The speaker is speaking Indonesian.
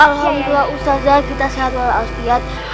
alhamdulillah ustazah kita sehat walau astiad